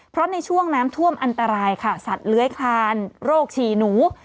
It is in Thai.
เพราะในช่วงน้ำท่วมอันตรายค่ะสัตว์เลื้อยคลานโรคฉี่หนู